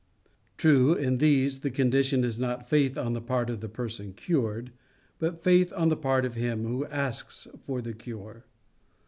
True, in these the condition is not faith on the part of the person cured, but faith on the part of him who asks for his cure.